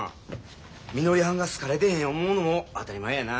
みのりはんが好かれてへん思うのも当たり前やな。